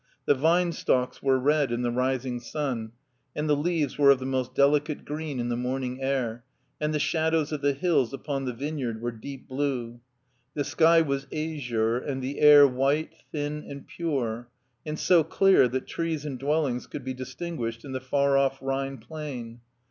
The vine stalks were red in the rising sun, and the leaves were of the most delicate green in the morning air, and the shadows of the hills upon the vineyard were deep blue. The sky was azure and the air white, thin and pure, and so clear that trees and dwell ings could be distinguished in the far off Rhine plain.